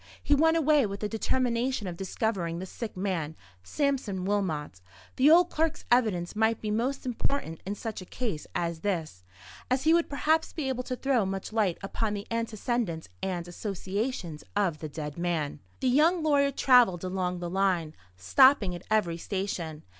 He went away with the determination of discovering the sick man, Sampson Wilmot. The old clerk's evidence might be most important in such a case as this; as he would perhaps be able to throw much light upon the antecedents and associations of the dead man. The young lawyer travelled along the line, stopping at every station.